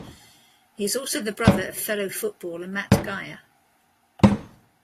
He is also the brother of fellow footballer Matt Geyer.